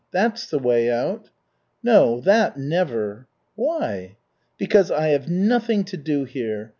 That's the way out." "No, that never!" "Why?" "Because I have nothing to do here.